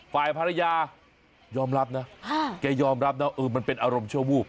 ฝ่ายภรรยายอมรับนะแกยอมรับนะเออมันเป็นอารมณ์ชั่ววูบ